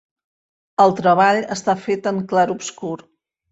El treball està fet en clarobscur.